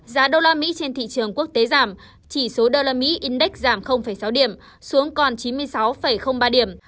giá đô la mỹ trên thị trường quốc tế giảm chỉ số đô la mỹ index giảm sáu điểm xuống còn chín mươi sáu ba điểm